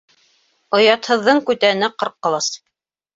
Оятһыҙҙың күтәне ҡырҡ ҡолас.